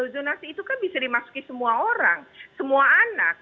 zonasi itu kan bisa dimasuki semua orang semua anak